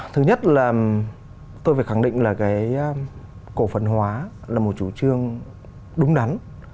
thứ nhất là tôi phải khẳng định là cái cổ phần hóa là một chủ trương đúng đắn